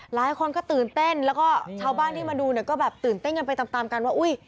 หลายคนก็ตื่นเต้นแล้วก็ชาวบ้านที่มาดูเนี่ยก็แบบตื่นเต้นกันไปตามตามกันว่าอุ้ย